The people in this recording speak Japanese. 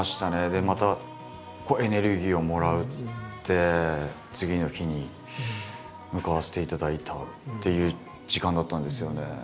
でまた濃いエネルギーをもらって次の日に向かわせていただいたっていう時間だったんですよね。